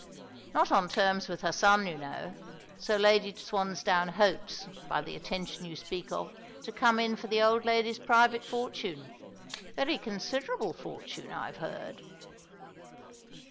"Not on terms with her son, you know; so Lady Swansdown hopes, by the attention you speak of, to come in for the old lady's private fortune. Very considerable fortune, I've heard."